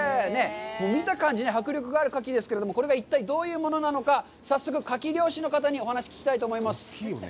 見た感じ迫力があるんですが、これが一体どういうものなのか、早速カキ漁師の方にお話を聞きたいと思います。